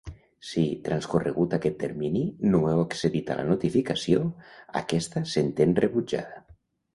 Si, transcorregut aquest termini, no heu accedit a la notificació, aquesta s'entén rebutjada.